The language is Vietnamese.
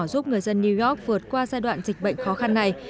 giúp người dân new york vượt qua giai đoạn dịch bệnh khó khăn này